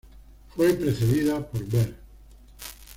Fue precedida por "Ber.